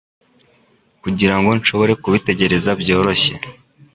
kugirango nshobore kubitegereza byoroshye